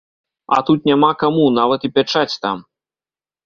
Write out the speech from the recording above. А тут няма каму, нават і пячаць там.